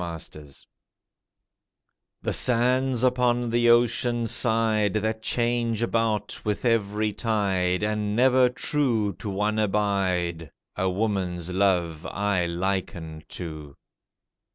HER LOVE The sands upon the ocean side That change about with every tide, And never true to one abide, A woman's love I liken to.